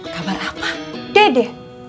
kabar apa dede